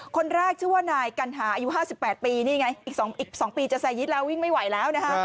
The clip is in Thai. คนแรกชื่อว่านายกัญหาอายุ๕๘ปีอีก๒๘ปีจะแซยีดแล้วใกล้ไม่ไหวแล้ว